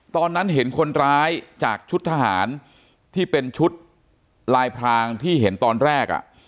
ตอนนั้นเห็นคนร้ายจากชุดทหารที่เป็นชุดลายพรางที่เห็นตอนแรกอ่ะ